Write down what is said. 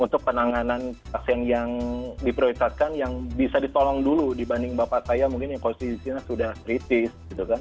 untuk penanganan pasien yang diprioritaskan yang bisa ditolong dulu dibanding bapak saya mungkin yang posisinya sudah kritis